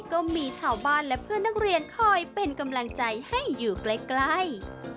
ก็มีชาวบ้านและเพื่อนนักเรียนคอยเป็นกำลังใจให้อยู่ใกล้